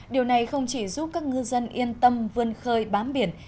điều này không chỉ giúp các ngư dân yên tâm vươn khơi bám biển